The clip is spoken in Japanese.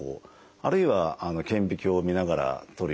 あるいは顕微鏡を見ながら取るような方法。